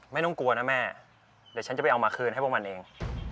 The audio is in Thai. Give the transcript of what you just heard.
ไม่ต้องกลัวนะแม่เดี๋ยวฉันจะไปเอามาคืนให้พวกมันเอง